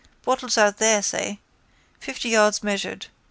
—Bottles out there, say. Fifty yards measured.